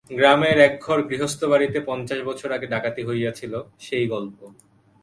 গ্রামের একঘর গৃহস্থবাড়ীতে পঞ্চাশ বছর আগে ডাকাতি হইয়াছিল, সেই গল্প।